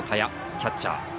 キャッチャー。